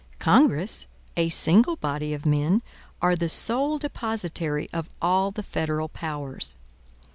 Congress, a single body of men, are the sole depositary of all the federal powers.